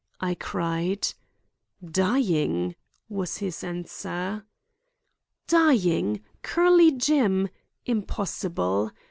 I cried. "Dying," was his answer. Dying! Curly Jim! Impossible.